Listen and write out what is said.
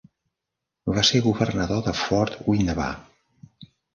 Va ser el governador de Fort Winnebah.